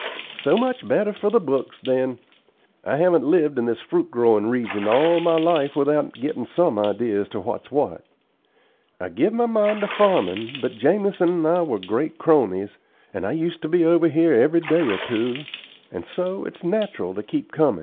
"So much the better for the books, then. I haven't lived in this fruit growin' region all my life without gettin' some ideas as to what's what. I give my mind to farmin'; but Jamison and I were great cronies, and I used to be over here every day or two, and so it's natural to keep comin'."